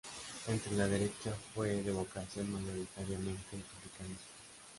Entre la derecha fue de vocación mayoritariamente africanista.